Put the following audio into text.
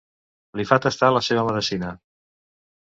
Li fa tastar la seva medecina.